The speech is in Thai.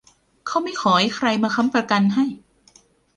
เขาไม่ขอให้ใครมาค้ำประกันให้